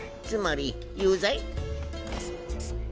つまり有罪？